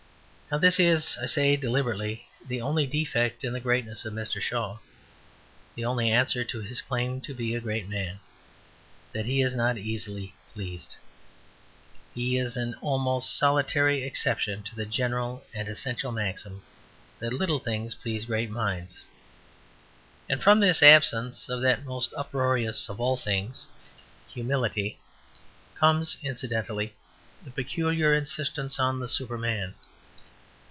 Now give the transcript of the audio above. Now this is, I say deliberately, the only defect in the greatness of Mr. Shaw, the only answer to his claim to be a great man, that he is not easily pleased. He is an almost solitary exception to the general and essential maxim, that little things please great minds. And from this absence of that most uproarious of all things, humility, comes incidentally the peculiar insistence on the Superman.